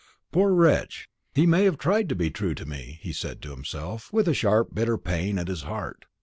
"Poor wretch! he may have tried to be true to me," he said to himself, with a sharp bitter pain at his heart.